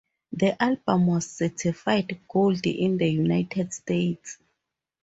The album was certified Gold in the United States.